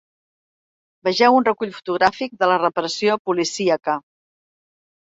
Vegeu un recull fotogràfic de la repressió policíaca.